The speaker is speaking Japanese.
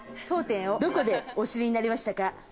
当店をどこでお知りになりましたか？